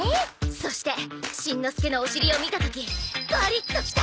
そしてしんのすけのお尻を見た時バリッときた！